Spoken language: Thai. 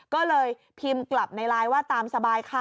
ก็เลยพิมพ์กลับในไลน์ว่าตามสบายค่ะ